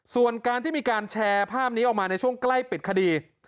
ส่วนการที่มีการแชร์ภาพนี้ออกมาในช่วงใกล้ปิดคดี